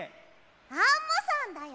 アンモさんだよ！